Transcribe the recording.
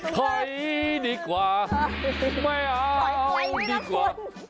ถอยดีกว่าไม่เอาดีกว่า